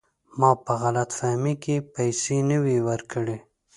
ما په غلط فهمۍ کې پیسې نه وې ورکړي.